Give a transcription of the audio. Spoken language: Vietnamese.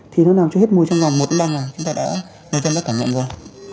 thì nó làm cho hết mùi trong ngòm một lần rồi chúng ta đã người dân đã cảm nhận rồi